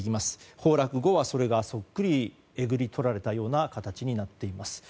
崩落後はそっくりえぐり取られたような形になっています。